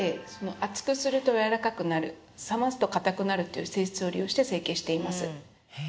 熱くすると柔らかくなる冷ますと硬くなるという性質を利用して成形しています。